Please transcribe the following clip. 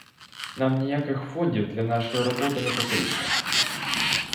Нам ніяких фондів для нашої роботи не потрібно.